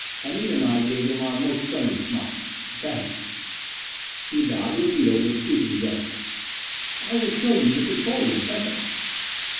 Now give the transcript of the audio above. Anita and I gave him our most friendly smiles. "Thanks." He bowed to Anita with a sweeping gesture. "I will show you over the control room presently."